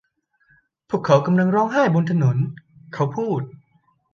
พวกเขากำลังร้องไห้กันบนถนน'เขาพูด